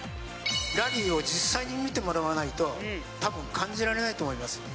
ラリーを実際に見てもらわないと多分感じられないと思います。